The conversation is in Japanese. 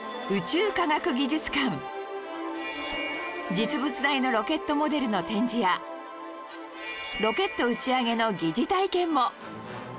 実物大のロケットモデルの展示やロケット打ち上げの疑似体験も